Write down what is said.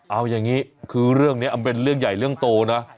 เอาอย่างนี้คือเรื่องนี้มันเป็นเรื่องใหญ่เรื่องโตนะ